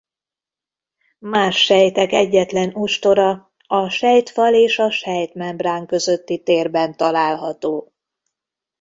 Más sejtek egyetlen ostora a sejtfal és a sejtmembrán közötti térben található.